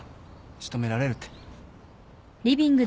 仕留められるって。